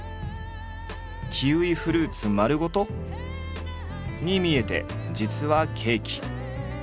キウイフルーツ丸ごと？に見えて実はケーキ！